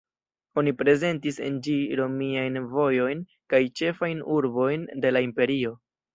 Oni prezentis en ĝi romiajn vojojn kaj ĉefajn urbojn de la Imperio.